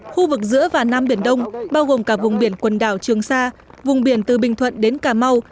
khu vực giữa và nam biển đông bao gồm cả vùng biển quần đảo trường sa vùng biển từ bình thuận đến cà mau